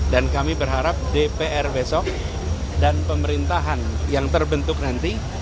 dan kami berharap dpr besok dan pemerintahan yang terbentuk nanti